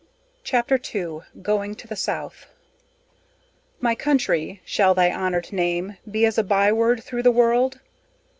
CHAPTER II GOING TO THE SOUTH "My country, shall thy honoured name, Be as a bye word through the world?